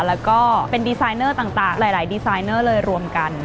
แล้วก็เป็นดีไซนเนอร์ต่างหลายดีไซนเนอร์เลยรวมกัน